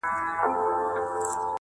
له کارګه سره پنیر یې ولیدله؛